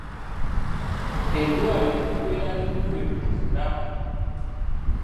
Eddwaliro libeera liggule buli lunaku.